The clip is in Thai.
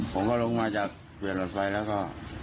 ผมก็ลงมาจากเสือบหลบไฟแล้วก็